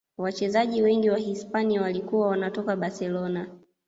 wachezaji wengi wa hisipania walikuwa wanatoka barcelona